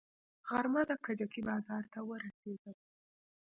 غرمه د کجکي بازار ته ورسېدم.